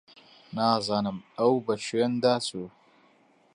نازانم ئەو بە کوێندا چوو.